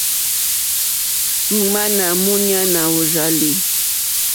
Ŋmánà múɲánà mòrzàlì.